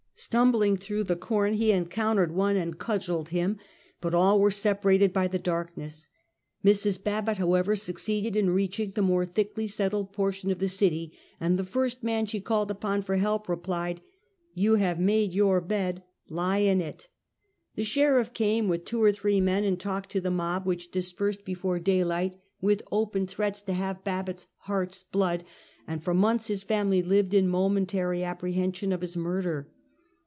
Stumbling through the corn, he encoun The Minnesota Dictator. 177 tered one and cudgeled him, but all were separated by the darkness. Mrs. Babbitt, however, succeeded in reaching the more thickly settled portion of the city, and the first man she called upon for help, replied: "You have made your bed — lie in it!" The sheriff came, with two or three men, and talked to the mob, which dispersed before daylight, with open threats to " have Babbitt's heart's blood," and for months his family lived in momentary apprehension of his murder.